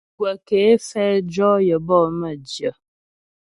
Gwə̀ ké fɛ jɔ yəbɔ mə́jyə.